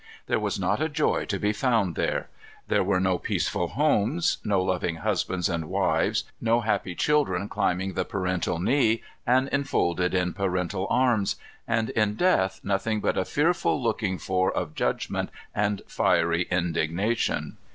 There was not a joy to be found there. There were no peaceful homes; no loving husbands and wives; no happy children climbing the parental knee and enfolded in parental arms; and in death nothing but a "fearful looking for of judgment and fiery indignation."